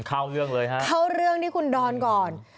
เข้าเรื่องเลยฮะเข้าเรื่องที่คุณดอนก่อน